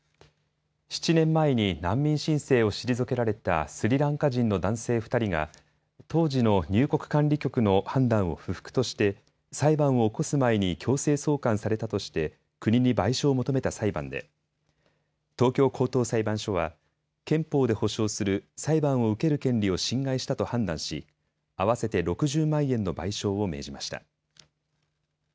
７年前に難民申請を退けられたスリランカ人の男性２人が当時の入国管理局の判断を不服として裁判を起こす前に強制送還されたとして国に賠償を求めた裁判で東京高等裁判所は憲法で保障する裁判を受ける権利を侵害したと判断し合わせて６０万円の賠償を命じました。